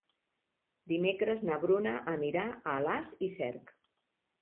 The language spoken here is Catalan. Dimecres na Bruna anirà a Alàs i Cerc.